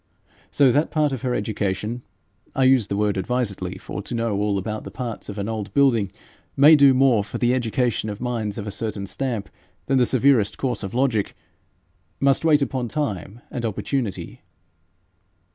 So that part of her education I use the word advisedly, for to know all about the parts of an old building may do more for the education of minds of a certain stamp than the severest course of logic must wait upon time and opportunity.